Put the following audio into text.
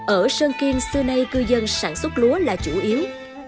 ở sơn kiên xưa nay cư dân sản xuất lúa là chủ yếu